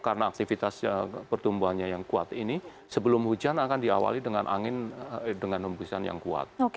karena aktivitas pertumbuhannya yang kuat ini sebelum hujan akan diawali dengan angin dengan hembusan yang kuat